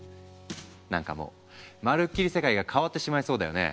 何かもうまるっきり世界が変わってしまいそうだよね。